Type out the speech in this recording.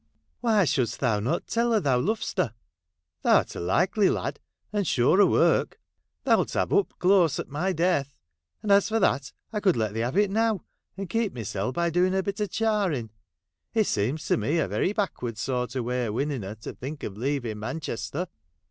' Why should'st thou not tell her thou lov'st her ? Thou 'rt a likely lad, and sure o' work Thou 'It have Upclose at my death ; and ;i.s for that I could let thee have it now, and keep mysel by doing a bit of charring. It seems to me a very backwards sort o' way of winning her to think of leaving Manchester.'